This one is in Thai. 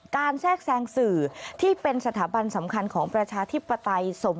การแศกแทรงสื่อที่เป็นสถาบันสำคัญของประชาธิปัตย์สมควรหรือไม่